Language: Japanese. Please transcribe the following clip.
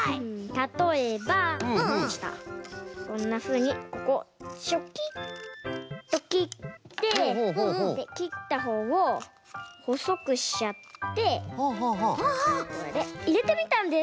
たとえばこんなふうにここチョキッときってできったほうをほそくしちゃってこれでいれてみたんです。